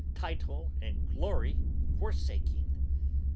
Title and glory forsaking!